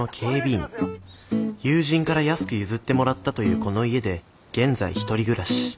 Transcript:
友人から安く譲ってもらったというこの家で現在１人暮らし。